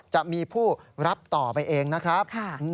จะมีผู้รับต่อไปเองนะครับ